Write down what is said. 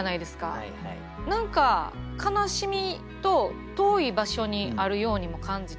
何か悲しみと遠い場所にあるようにも感じて。